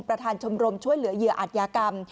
ประธานชมรมช่วยเหลือเหยื่ออาจยากรรม